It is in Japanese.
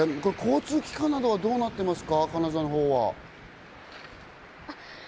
市川さん、交通機関などは、どうなっていますか？